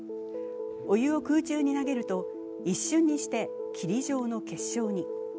お湯を空中に投げると一瞬にして霧状の結晶に。